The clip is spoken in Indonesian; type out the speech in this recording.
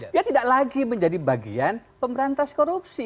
dia tidak lagi menjadi bagian pemberantas korupsi